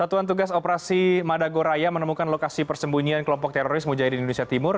satuan tugas operasi madagoraya menemukan lokasi persembunyian kelompok teroris mujahidin indonesia timur